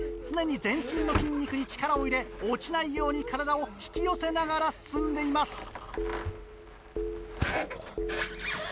常に全身の筋肉に力を入れ落ちないように体を引き寄せながら進んでいます。